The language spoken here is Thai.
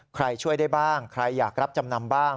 ใครช่วยได้บ้างใครอยากรับจำนำบ้าง